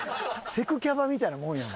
セクキャバみたいなもんや。